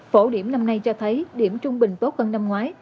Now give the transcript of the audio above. phổ điểm năm nay cho thấy điểm trung bình tốt hơn năm ngoái